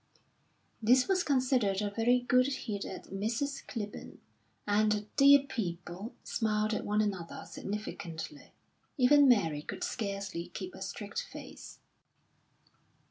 This was considered a very good hit at Mrs. Clibborn, and the dear people smiled at one another significantly. Even Mary could scarcely keep a straight face.